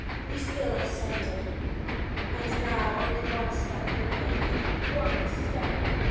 We still ascended, and now only one step remained. One step!